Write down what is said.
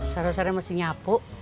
seru serunya masih nyapu